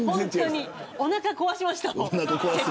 おなか壊しましたもん。